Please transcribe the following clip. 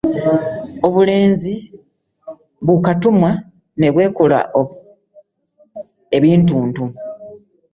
Obulenzi bu katumwa ne bwekola ebintuntu.